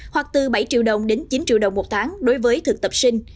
hoặc từ bảy triệu đồng đến chín triệu đồng một tháng đối với thực tập sinh